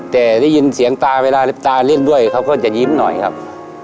แต่ได้ยินเสียงตาเวลาตาเล่นด้วยเขาก็จะยิ้มหน่อยครับ